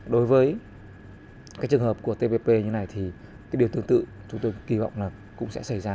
đối với trường hợp của tpp như thế này điều tương tự chúng tôi kỳ vọng cũng sẽ xảy ra